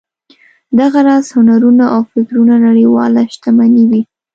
دغه راز هنرونه او فکرونه نړیواله شتمني وي.